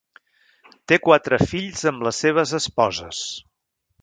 Té quatre fills amb les seves esposes.